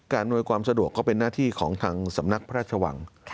อำนวยความสะดวกก็เป็นหน้าที่ของทางสำนักพระราชวัง